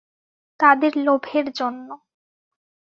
তাদের লোভের জন্য।